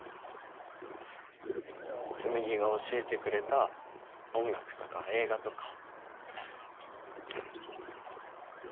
紬が教えてくれた音楽とか映画とか。